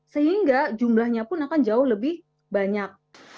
sehingga jumlahnya pun akan jauh lebih banyak